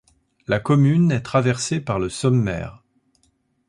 La commune est traversée par le Sommaire.